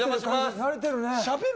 慣れてるね。